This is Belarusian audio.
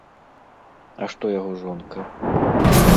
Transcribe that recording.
А што яго жонка?